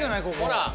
ほら。